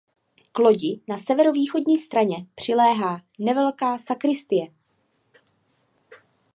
K lodi na severovýchodní straně přiléhá nevelká sakristie.